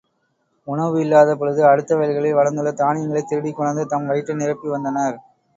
உணவு இல்லாத பொழுது அடுத்த வயல்களில் வளர்ந்துள்ள தானியங்களைத் திருடிக் கொணர்ந்து தம் வயிற்றை நிரப்பி வந்தனர்.